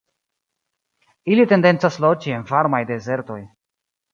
Ili tendencas loĝi en varmaj dezertoj.